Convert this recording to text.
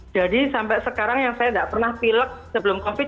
jadi sampai sekarang yang saya tidak pernah pilek sebelum covid